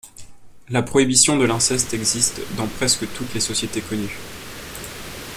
La prohibition de l'inceste existe dans presque toutes les sociétés connues.